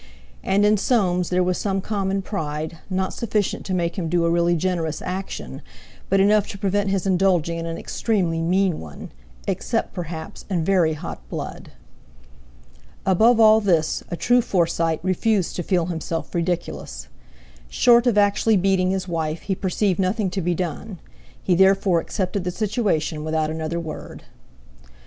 And in Soames there was some common pride, not sufficient to make him do a really generous action, but enough to prevent his indulging in an extremely mean one, except, perhaps, in very hot blood. Above all this a true Forsyte refused to feel himself ridiculous. Short of actually beating his wife, he perceived nothing to be done; he therefore accepted the situation without another word.